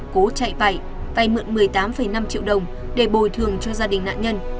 cố chạy vạy vạy mượn một mươi tám năm triệu đồng để bồi thường cho gia đình nạn nhân